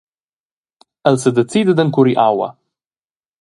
El sedecida d’encurir aua.